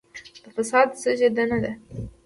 د فساد زېږنده ده.